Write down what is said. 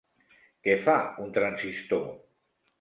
Què fa un transistor?